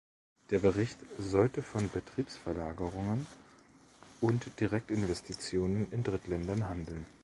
Der Bericht sollte von Betriebsverlagerungen und Direktinvestitionen in Drittländern handeln.